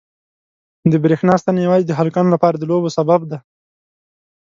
د برېښنا ستنې یوازې د هلکانو لپاره د لوبو سبب دي.